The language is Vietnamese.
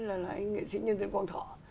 là anh nghệ sinh nhân dân quang thọ